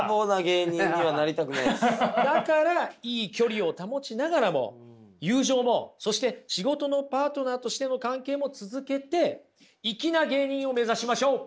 だからいい距離を保ちながらも友情もそして仕事のパートナーとしての関係も続けていきな芸人を目指しましょう。